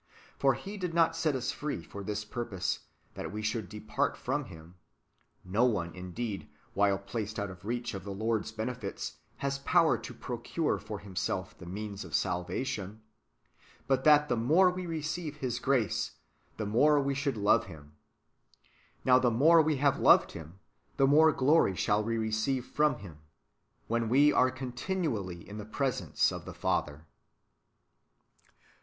For He did not set us free for this purpose, that we should depart from Him (no one, indeed, while placed out of reach of the Lord's benefits, has power to procure for himself the means of salvation), but that the more we receive His grace, the more we should love Him. Now the more we have loved Him, the more glory shall we receive from Him, when we are continually in the presence of the Father.